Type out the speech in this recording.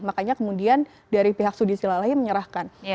makanya kemudian dari pihak sudi silalahi menyerahkan